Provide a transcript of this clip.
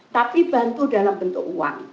tapi bantu dalam bentuk uang